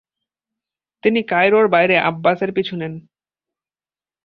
তিনি কায়রোর বাইরে আব্বাসের পিছু নেন।